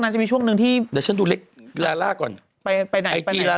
แต่ไม่เกี่ยวกับแปดที่เอา